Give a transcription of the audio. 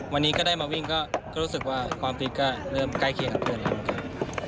วันนี้ก็ได้มาวิ่งก็รู้สึกว่าความฟิตก็เริ่มใกล้เคียงกับเพื่อนแล้วเหมือนกัน